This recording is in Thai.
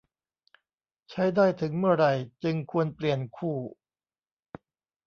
ใช้ได้ถึงเมื่อไหร่จึงควรเปลี่ยนคู่